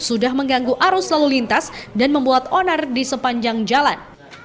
sudah mengganggu arus lalu lintas dan membuat onar di sepanjang jalan